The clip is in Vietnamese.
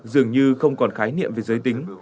dường như không còn khái niệm về giới tính